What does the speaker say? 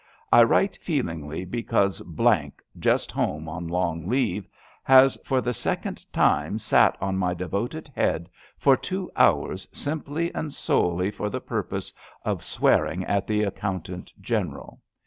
I write feelingly because iM J just home on long leave, has for the second LETTEES ON LEAVE 221 time sat on my devoted head for two hours simply and solely for the purpose of swearing at the Accountant General.